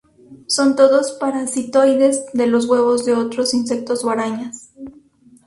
Son todos parasitoides de los huevos de otros insectos o arañas.